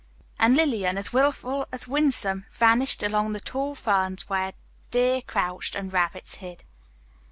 And Lillian, as willful as winsome, vanished among the tall ferns where deer couched and rabbits hid.